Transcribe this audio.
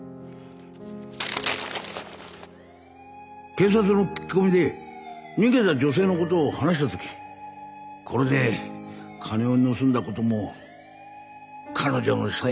警察の聞き込みで逃げた女性のことを話した時これで金を盗んだことも彼女のせいにできると思った。